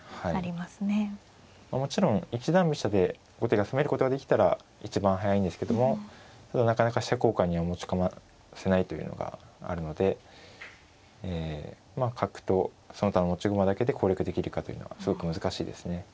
もちろん一段飛車で後手が攻めることができたら一番速いんですけどもただなかなか飛車交換には持ち込ませないというのがあるのでまあ角とその他の持ち駒だけで攻略できるかというのはすごく難しいですね。